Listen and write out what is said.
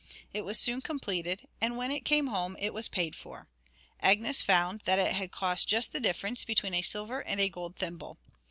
It was soon completed, and when it came home, and was paid for, Agnes found that it had cost just the difference between a silver and a gold thimble.